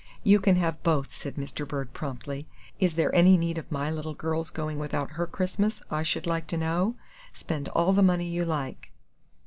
"You can have both," said Mr. Bird, promptly; "is there any need of my little girl's going without her Christmas, I should like to know? Spend all the money you like."